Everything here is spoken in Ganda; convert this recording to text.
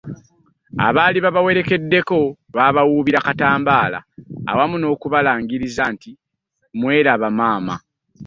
Abaali babawerekeddeko baabawuubira katambaala awamu n'okubalagiriza nti mweraba Maama